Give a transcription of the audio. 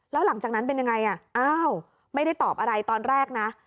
แล้วหลังจากนั้นเป็นยังไงอ้าวไม่ได้ตอบอะไรตอนแรกนะ